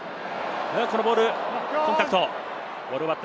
このボール、コンタクト。